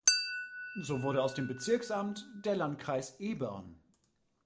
So wurde aus dem Bezirksamt der Landkreis Ebern.